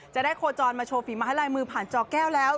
โคจรมาโชว์ฝีไม้ลายมือผ่านจอแก้วแล้ว